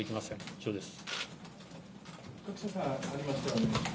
以上です。